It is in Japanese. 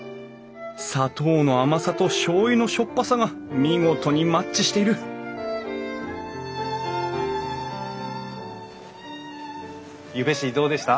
砂糖の甘さとしょうゆのしょっぱさが見事にマッチしているゆべしどうでした？